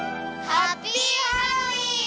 ハッピーハロウィーン！